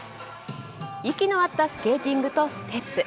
息の合ったスケーティングとステップ